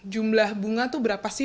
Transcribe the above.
jumlah bunga itu berapa sih